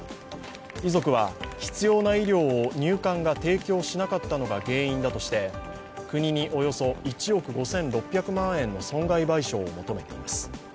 遺族は必要な医療を入管が提供しなかったのが原因だとして国におよそ１億５６００万円の損害賠償を求めています。